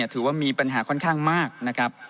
ถือว่ามีปัญหาค่อนข้างมากนะครับ